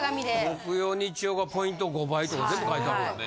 木曜日曜がポイント５倍とか全部書いてあるもんね。